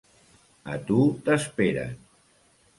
A tu t'esperen!